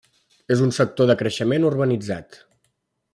És un sector de creixement urbanitzat.